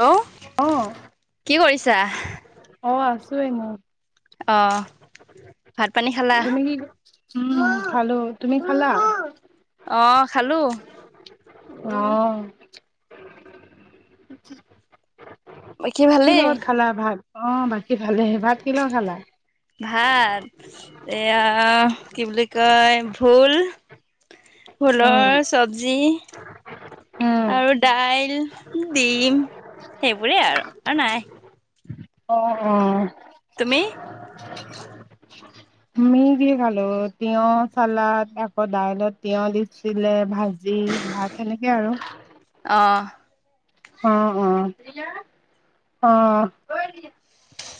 Hello অ' কি কৰিছা? অ' আছো এনে। অ' ভাত-পানী খালা? তুমি কি উম খালো। তুমি খালা? অ' খালো। অ'। বাকী কি ভালেই? লগত খালা ভাত? অ' বাকী ভালে। ভাত কি লগত খালা? ভাত, এয়া কি বুলি কয় ভুল উম ভুলৰ চব্জি। উম আৰু দাইল, ডিম সেইবোৰে আৰু, আৰু নাই। অ' অ'। তুমি? [unintelligible] আমি কি খালো, তিয়হ চালাদ আকৌ দাইলত তিয়হ দিছিলে। ভাজি ভাজি, ভাত সেনেকে আৰু। অ', অ অ অহ।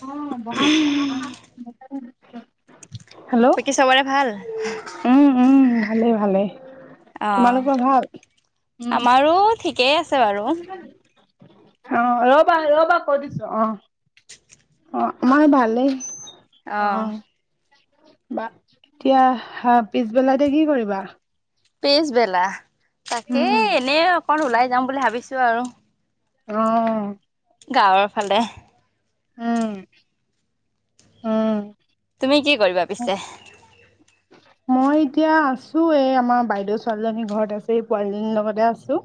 অ বহা সুন আহা। [unintelligible] হেল্ল'। বাকী চবৰে ভাল? উম উম ভালে ভালে। অ' উম আমাৰো ঠিকেই আছে বাৰু। অ' ৰবা ৰবা কই দিছো। অ অ আমাৰ ভালেই। অহ। অ বা এতিয়া হা পিছবেলাতে কি কৰিবা? পিছবেলা তাকে উম। এনে অকন ওলাই যাম বুলি ভাবিছো আৰু। অ। গাঁৱৰ ফালে। উম উম। তুমি কি কৰিবা পিছে? মই এতিয়া আছো এই আমাৰ বাইদেউ ছোৱালীজনীৰ ঘৰত আছেহি পোৱালীজনীৰ লগতে আছো।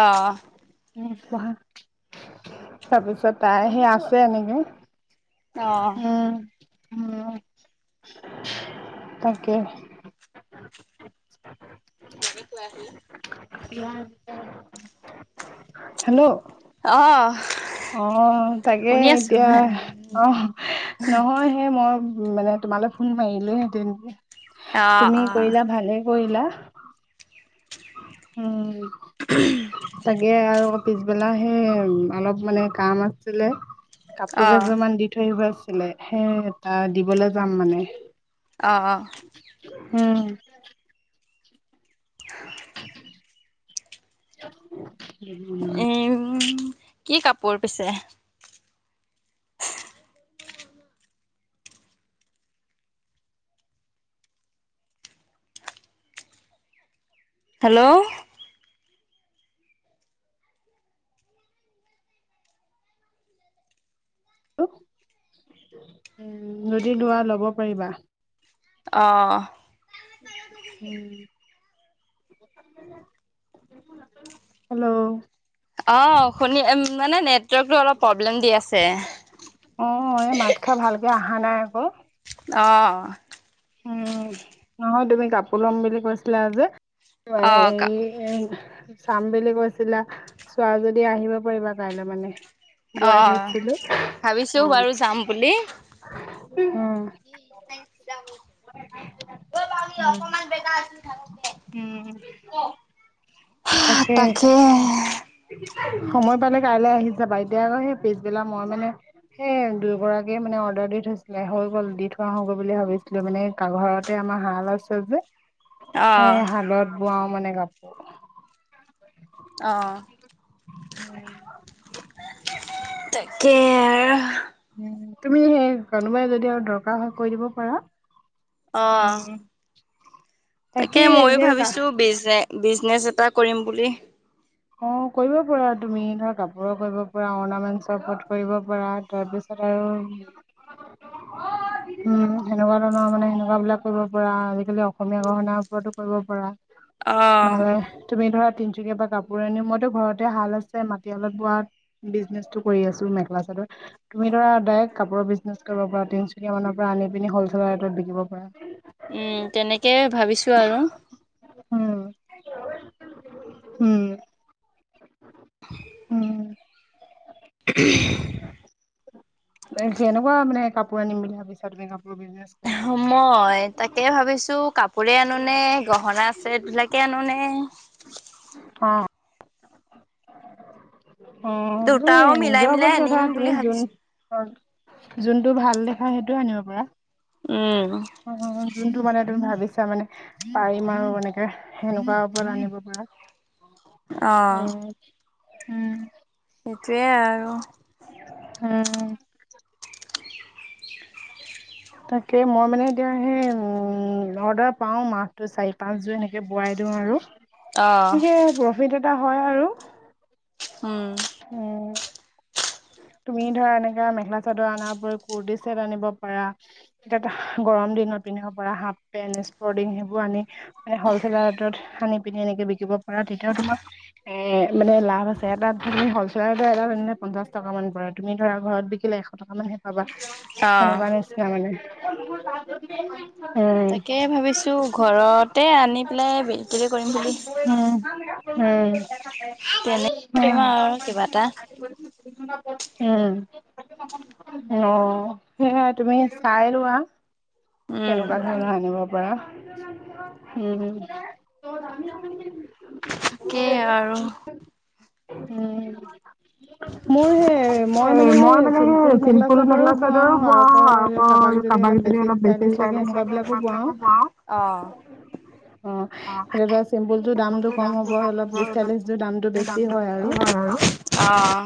অহ। ওম পহা তাৰপিছত তাই সেই আছে এনেকে। অ'। উম উম। তাকে। কে খোৱাইআছিলে। [unintelligible] হেল্ল' অ। অ তাকে শুনি আছো এতিয়া আহ নহয় সেই মই। মানে তোমালৈ ফোন মাৰিলো হেতেন অ', তুমি অ', কৰিলা ভালে। কৰিলা, উম তাকে আৰু। পিছবেলা সে অলপ মানে কাম আছিলে, কাপোৰ অ', কেইযোৰান দি থৈ আহিবা। ছিলে সেই এটা দিবলৈ যাম মানে। অ', উম। কেক বনোৱা। উম, কি কাপোৰ পিছে। [inaudible] হেল্ল'। উম, যদি লোৱা লব পাৰিবা। আহ। উম। হেল্ল'। অ' শুনি মানে নেটৱৰ্কটো অলপ প্ৰব্লেম দি আছে। অ'এই মাত খা ভালকে অহা নাই আকৌ। অঁ। উম, নহয় তুমি কাপোৰ ল'ম বুলি কৈছিলা যে। অ', কা এই এ। চাম বুলি কৈছিলা, চোৱা যদি আহিব পাৰিবা কাইলৈ মানে। অ', বোৱাৰথৈছিলো ভাবিছো আহ বাৰু যাম বুলি উ। ত' আমি উম। অকমান বেকা আছিল থাক। [unintelligible] ক তাকে। সময় পালে কাইলৈ আহি যাবা এতিয়া আকৌ সেই পিছবেলা মই মানে। সেই দুয়োগৰাকীয়ে মানে অৰ্ডাৰ দি থৈছিলে, হৈ গ'ল দি থোৱা হ গ'ল বুলি ভাবিছিলো মানে কা ঘৰতে। আমাৰ হাল আছে যে সেই অ', হালত বোৱাও মানে কাপোৰ। আহঁ। উম। তাকে উম, তুমি সেই কোনোবাই যদি আৰু দৰকাৰ হয় কৈ দিব পাৰা। অ', উম। তাকে ময়ো এতিয়া গা ভাবিছো বিজনে বিজনেচ এটা কৰিম বুলি। অ কৰিব পাৰা। তুমি ধৰা কাপোৰো কৰিব পাৰা, অৰ্ণামেন্টছৰ ওপৰত কৰিব পাৰা, তাৰ পিছত অ। [inaudible] উম সেনেকুৱা ধৰণৰ মানে সেনকোৱা বিলাক কৰিব পৰা। আজিকালি অসমীয়া গহনাৰ ওপৰতো কৰিব পৰা। অ'। নহলে তুমি ধৰা তিনিচুকীয়া পা কাপ পোৰ আনি মইতো ঘৰতে হাল আছে মাটিহালত বোৱা বিজনেচটো কৰি আছো মেখেলা চাদৰ, তুমি সেয়া ডাইৰেক্ট কাপোৰৰ বিজনেছ কৰিব পৰা। তিনচুকীয়া মানৰ পৰা আনি পিনি হলছেল ৰেটত বিকিব পৰা। উম তেনেকে ভাবিছো আৰু। উম উম। [inaudible] উম [unintelligible] সেনেকুৱা মানে কাপোৰ আনিম বুলি ভাবিছা তুমি কাপোৰ বিজনেচ মই তাকে ভাবিছো কাপোৰে আনোনে, গহনা চেট বিলাকে আনোনে? [inaudible] অ। অ তুমি দুটাও মিলাই নিজৰ মিলাই ওপৰত কথা আনিম তুমি বুলি যোন ভাবিছো। যোনটো ভাল দেখা সেইটো আনিব পাৰা। উম। অ যোনটো মানে তুমি ভাল ভাবিছা মানে পাৰিম আৰু এনেকে। সেনেকুৱা ওপৰত আনিব পৰা। উ অ', উম। সেইটোৱে আৰু। হুম। [inaudible] তাকে মই মানে এতিয়া সেই উম অৰ্ডাৰ পাও মাহটো চাৰি, পাঁচ জোৰ সনেকে বোৱাই দিওঁ। আৰু অ'। ঠিকে প্ৰফিট এটা হয় আৰু। উম, উম। [inaudible] তুমি ধৰা এনেকা মেখেলা চাদৰ আনাৰ উপৰি কুৰ্টি চেট আনিব পাৰা। এতিয়া গৰম দিনত পিন্ধিব পৰা হাফ পেন্ট, স্পৰ্টিং সেইবোৰ আনি হলচেল ৰেটত আনি পিনে এনেকে বিকিব পৰা। তেতিয়াও তোমাৰ এ মানে লাভ আছে। এটা তুমি হলচেল ৰেটত আনিলে পঞ্চাশ টকা মান পাবা। তুমি ধৰা ঘৰত বিকিলে এশ টকা মানহে পাবা। অ'। সেনেকুৱা নিচিনা মানে। [unintelligible] তাকে ভাবিছো ঘৰতে আনি পেলাই বিক্ৰি কৰিম বুলি। উ-উ। তেনে কৰিম আৰু কিবা এটা উম। অ সেইয়াই তুমি চাই লোৱা। উম। কেনেকুৱা ধৰণৰ আনিব পৰা। উম। তাকেই আৰু। উম। মোৰ সেই মই মানে সেই চিম্পুল মেখেলা চাদৰো বোৱাও আৰু আকৌ কাবাক যদি অলপ বেছি চলিছে সেনেকুৱা বিলাকো বোৱাও অ। অ ত চেম দাম কম অলপ দামটো বেছি হয় আৰু। [unintelligible] অঁ।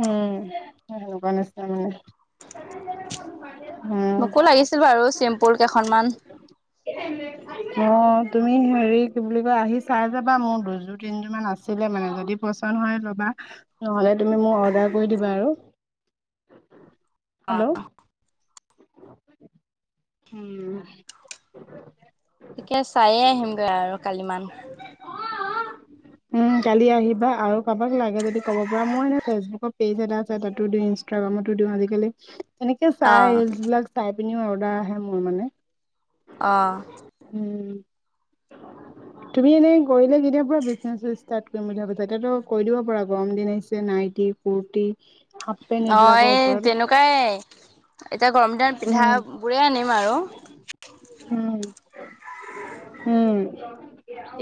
উম [unintelligible] মোকো লাগিছিল বাৰু চিম্পুল কেইখনমান। অ তুমি হেৰি কি বুলি কয় আহি চাই যাবা। মোৰ দুযোৰ তিন জোৰ মান আছিলে মানে। যদি পচন্দ হয় লবা। নহলে তুমি মোক অৰ্ডাৰ কৰি দিবা আৰু। হেল্ল' আহ উম। তাকে চায়ে আহিমগৈ আৰু কালি মান [inaudible] উম, কালি আহিবা আৰু কাৰোবাক লাগে যদি ক'ব পৰা। মোৰ এনে ফেচবুকৰ পেজ এটা আছে তাতো দি ইনষ্টাগ্ৰাম। আজিজালি এনেকে চাই, অ', ৰীলচবিলাক চাই পিনিও অৰ্ডাৰ আহে মোৰ মানে। অ'। উম তুমি এনেই কৰিলে কেতিয়াৰ পৰা বিজনেছ ষ্টাৰ্ট কৰিম বুলি ভাবিছা? এতিয়াতো কৰি দিব পাৰা গৰম দিন আহিছে। নাইটি কুৰ্টি অ' এই তেনেকুৱাই। এতিয়া গৰম দিনত উম পিন্ধাবোৰে আনিম। আৰু। হুম, হুম।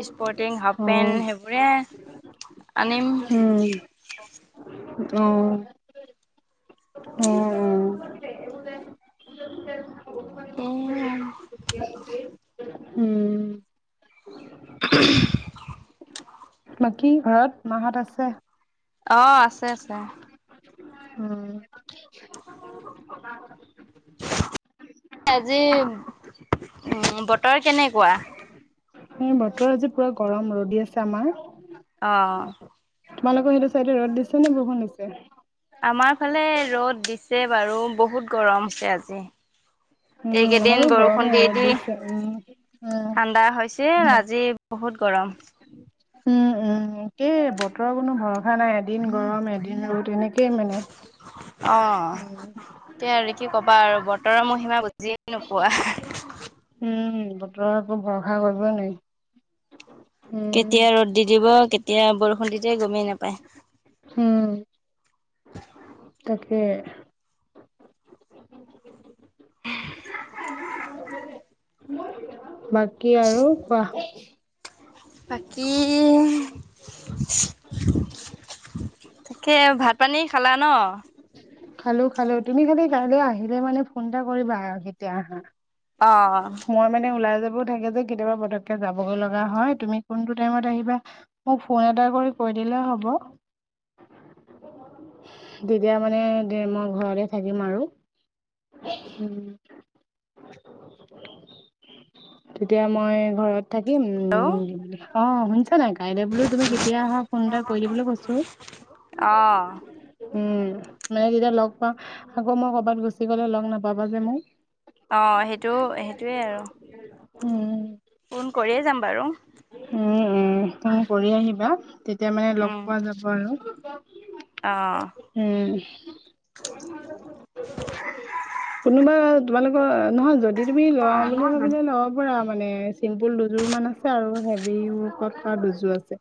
স্পৰ্টিং, হাফপেণ্ট সেইবোৰে আনিম। উম অ'। অ' অ'। [unintelligible] উম। [unintelligible] বাকী ঘৰত মাহঁত আছে? অ' আছে আছে। উম। আজি উ বতৰ কেনেকুৱা? এ বতৰ আজি পুৰা গৰম ৰ'দ দি আছে আমাৰ। অ'। তোমালোকৰ সেইটো চাইডে ৰ'দ দিছে নে বৰষুণ দিছে? আমাৰ ফালে ৰ'দ দিছে বাৰু! বহুত গৰম হৈছে আজি। উম আমাৰো এইকেইদিন বৰষুণ গৰমে দি ৰ'দ দি, দিছে উম উম ঠাণ্ডা হৈছে উম। আজি। বহুত গৰম উম উম, এই বতৰৰ কোনো ভৰষা নাই এদিন গৰম, এদিন ৰ'দ এনেকে কেই মানে অ' তাকেই আৰু কি ক'বা আৰু! বতৰৰ মহিমা বুজিয়ে নোপোৱা। উম বতৰৰ একো ভৰষা কৰিব নোৱাৰি। উম, কেতিয়া ৰ'দ দি দিব, কেতিয়া বৰষুণ দি দিয়ে গমেই নাপায়। উম, তাকে বাত কি আৰু? কোৱা। বাকী তাকে ভাত-পানী খালা ন? খালো খালো। তুমি খালি কাইলৈ আহিলে মানে ফোন এটা কৰিবা আৰু কেতিয়া আহা! অ' মই মানে ওলাই যাব কামবোৰ থাকে যে কেতিয়াবা পতককে যাবগৈ লগা হয়, তুমি কোনটো টাইমত আহিবা মোক ফোন এটা কৰি কৈ দিলে হ'ব। [inaudible] তেতিয়া মানে মই ঘৰতে থাকিম আৰু! উম। তেতিয়া মই ঘৰত থাকিম। হেল্ল' অ' শুনিছা নাই? কাইলৈ বোলো তুমি কেতিয়া আহা ফোন এটা কৰি দিবলৈ কৈছোঁ। অ' উম, মানে তেতিয়া লগ পামম আকৌ মই কৰ'বাত গুচি গ'লে লগ নাপাবা যে মোক! অ' সেইটো, সেইটোৱে আৰু। উম। ফোন কৰিয়ে যাম বাৰু! উম উম, ফোন কৰি আহিবা। তেতিয়া মানে লগ উম পোৱা যাব আৰু। অ'। উম। কোনোবা তোমালোকৰ, নহয় যদি যদি তুমি লওঁ অ' বুলি নহয় ভাবিলে ল'ব পৰা মানে চিম্পুল দুযোৰ মান আছে আৰু হেভী ওৱাকত কৰা দুযোৰ আছে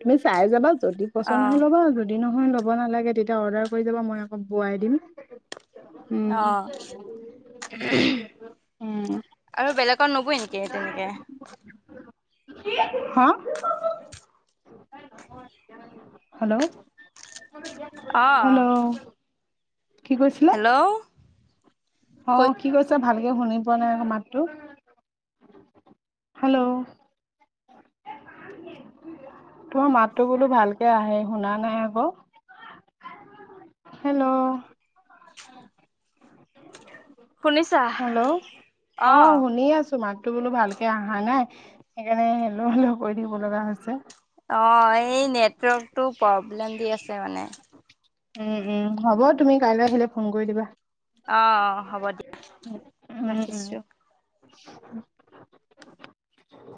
তুমি চাই যাবা যদি পচন্দ হৈ অ', লবা যদি নহয় ল'ব নালাগে তেতিয়া অৰ্ডাৰ কৰি যাবা মই বোৱাই দিম উম আহ আৰু বেলেগত নবৈ নেকি তেনেকে হা হেল্ল' আহ হেল্ল' কি কইছিলা অ কি কৈছা ভালকে শুনি পোৱা নাই আক মাতটো- হেল্ল' তোমাৰ মাতটো বোলো ভালকে আহে শুনা নাই আকৌ হেল্ল'- শুনিছা? হেল্ল' অ শুনি আছো মা- বোলো ভালকে অহা নাই সেইকাৰণে ল ল কৰি দিব লগা হৈছে অ এই নেটৱৰ্কতটো প্ৰব্লেম দি আছে মানে উম উম হ'ব তুমি কাইলৈ আহিলে ফোন কৰি দিবা আহ অ হ'ব দিয়া উম উম ৰাখিছো। [inaudible]